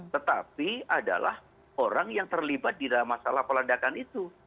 tetapi adalah orang yang terlibat di dalam masalah peledakan itu